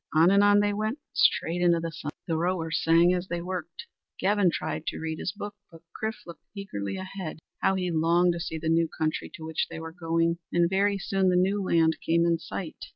On and on they went, straight into the sunset. The rowers sang as they worked. Gavin tried to read his book, but Chrif looked eagerly ahead. How he longed to see the new country to which they were going! And very soon the New Land came in sight.